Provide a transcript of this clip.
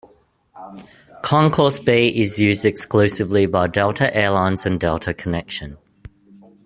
Concourse B is used exclusively by Delta Air Lines and Delta Connection.